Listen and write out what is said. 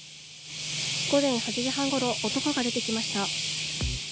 午前８時半ごろ、男が出てきました。